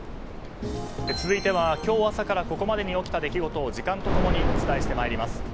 続いては今日朝からここまでに起きた出来事を、時間と共にお伝えしてまいります。